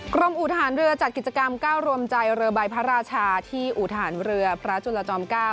กรมอุทหารเรือจัดกิจกรรม๙รวมใจเรือใบพระราชาที่อุทหารเรือพระจุลจอม๙